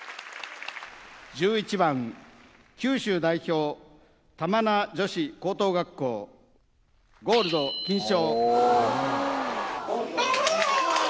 １１番、九州代表、玉名女子高等学校、ゴールド金賞。